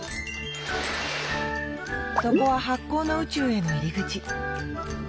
そこは発酵の宇宙への入り口。